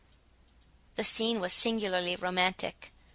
The scene was singularly romantic.